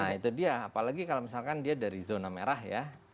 nah itu dia apalagi kalau misalkan dia dari zona merah ya